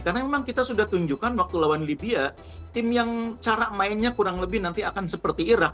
karena memang kita sudah tunjukkan waktu lawan libya tim yang cara mainnya kurang lebih nanti akan seperti iraq